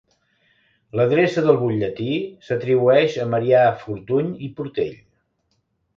L'adreça del butlletí s'atribueix a Marià Fortuny i Portell.